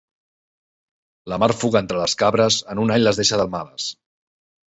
La marfuga entre les cabres en un any les deixa delmades.